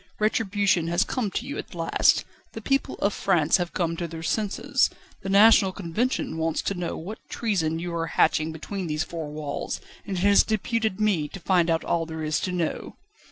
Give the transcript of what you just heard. Retribution has come to you at last; the people of France have come to their senses. The National Convention wants to know what treason you are hatching between these four walls, and it has deputed me to find out all there is to know."